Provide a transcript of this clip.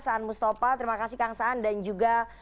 saan mustafa terima kasih kang saan dan juga